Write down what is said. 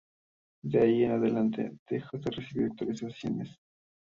De ahí en adelante, dejó de recibir actualizaciones.